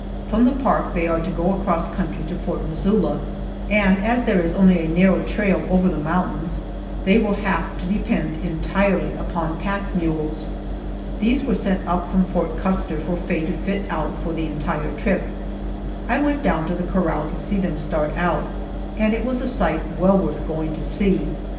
From the park they are to go across country to Fort Missoula, and as there is only a narrow trail over the mountains they will have to depend entirely upon pack mules. These were sent up from Fort Custer for Faye to fit out for the entire trip. I went down to the corral to see them start out, and it was a sight well worth going to see.